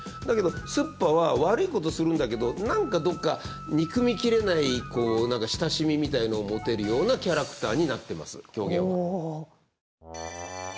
だけどすっぱは悪いことするんだけど何かどっかに憎みきれない何か親しみみたいなのを持てるようなキャラクターになってます狂言は。